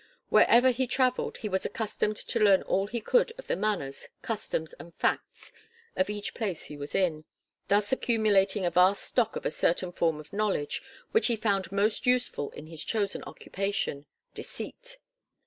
Wherever he travelled he was accustomed to learn all he could of the manners, customs and facts of each place he was in, thus accumulating a vast stock of a certain form of knowledge which he found most useful in his chosen occupation deceit.